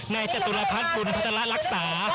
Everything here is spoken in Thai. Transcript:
จตุรพัฒน์บุญพัฒนารักษา